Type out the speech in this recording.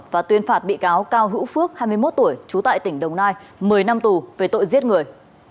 và tuyên phạt bị cáo cao hữu phước hai mươi một tuổi trú tại tỉnh đồng nai một mươi năm tù về tội giết người